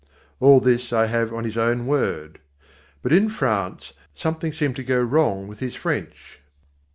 All this I have on his own word. But in France something seemed to go wrong with his French.